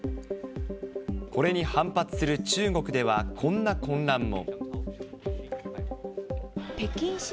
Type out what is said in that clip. これに反発する中国では、こんな混乱も。